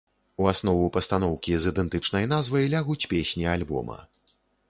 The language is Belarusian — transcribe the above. У аснову пастаноўкі з ідэнтычнай назвай лягуць песні альбома.